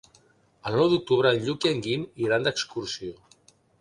El nou d'octubre en Lluc i en Guim iran d'excursió.